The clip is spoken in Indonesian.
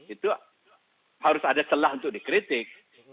itu harus ada celah untuk dikritik